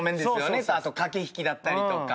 あと駆け引きだったりとか。